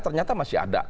ternyata masih ada